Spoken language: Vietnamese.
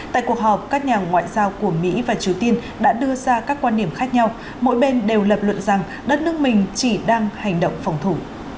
tại cuộc họp các nhà ngoại giao của mỹ và triều tiên đã đưa ra các quan điểm khác nhau mỗi bên đều lập luận rằng đất nước mình chỉ đang hành động phòng thủ